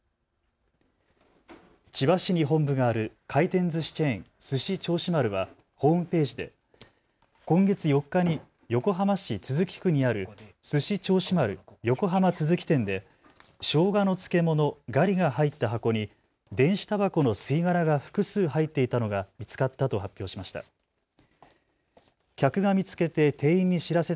千葉市に本部がある回転ずしチェーン、すし銚子丸はホームページで今月４日に横浜市都筑区にあるすし銚子丸横浜都筑店でショウガの漬物、ガリが入った箱に電子たばこの吸い殻が複数入っていたのが見つかったと発表しました。